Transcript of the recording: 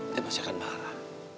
dia pasti akan marah